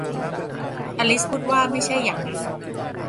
อลิซพูดว่า ไม่ใช่อย่างนั้น